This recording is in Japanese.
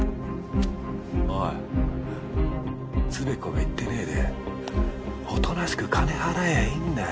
おいつべこべ言ってねぇでおとなしく金払やぁいいんだよ。